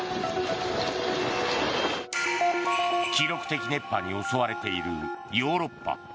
記録的熱波に襲われているヨーロッパ。